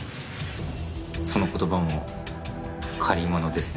その言葉も借り物ですね。